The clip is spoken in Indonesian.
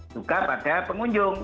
juga pada pengunjung